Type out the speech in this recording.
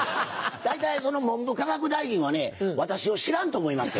大体文部科学大臣はね私を知らんと思いまっせ。